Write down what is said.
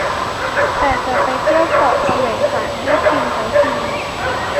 แต่จะไปเที่ยวเกาะแสมสารให้ฟินทั้งที